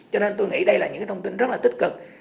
cho nên tôi nghĩ đây là những thông tin rất là tích cực